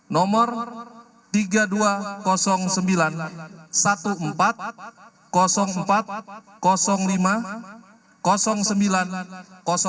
tiga lembar fotokopi kartu keluarga